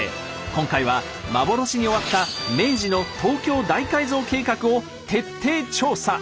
今回は幻に終わった明治の「東京大改造計画」を徹底調査！